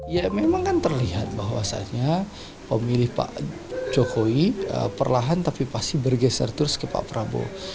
ya memang kan terlihat bahwasannya pemilih pak jokowi perlahan tapi pasti bergeser terus ke pak prabowo